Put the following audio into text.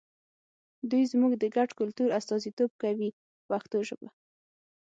دوی زموږ د ګډ کلتور استازیتوب کوي په پښتو ژبه.